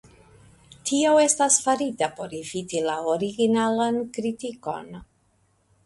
Tio estas farita por eviti la originalan kritikon.